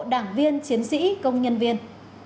đảng viên chiến sĩ công nhân viên